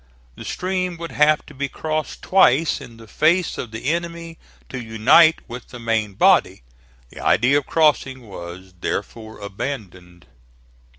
The stream would have to be crossed twice in the face of the enemy to unite with the main body. The idea of crossing was therefore abandoned.